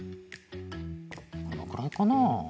このくらいかな？